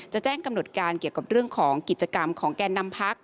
จะแจ้งกำหนดการเกี่ยวกับเรื่องของกิจกรรมของแกนนำพัก